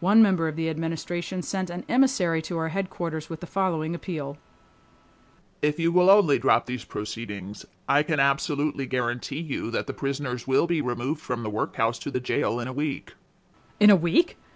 One member of the Administration sent an emissary to our headquarters with the following appeal: "If you will only drop these proceedings, I can absolutely guarantee you that the prisoners will be removed from the workhouse to the jail in a week:" "In a week?